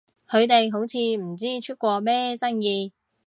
佢哋好似唔知出過咩爭議？